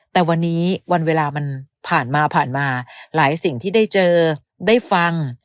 แต่วันนี้วันเวลามันผ่านมาผ่านมาหลายสิ่งที่ได้เจอได้ฟัง